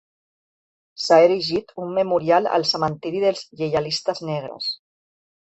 S'ha erigit un memorial al cementiri dels lleialistes negres.